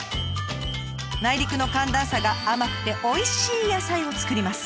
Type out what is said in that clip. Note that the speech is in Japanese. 内陸の寒暖差が甘くておいしい野菜を作ります。